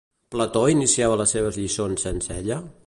Plató iniciava les seves lliçons sense ella?